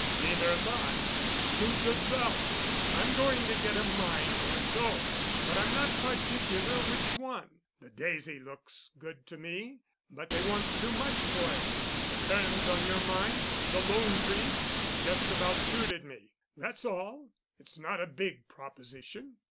Neither am I. Suit yourself. I'm going to get a mine or so. But I'm not particular which one. The 'Daisy' looks good to me, but they want too much for it. The terms on your mine, the 'Lone Tree,' just about suited me—that's all. It's not a 'big' proposition.